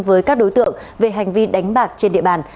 với các đối tượng về hành vi đánh bạc trên địa bàn